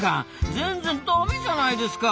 全然ダメじゃないですか。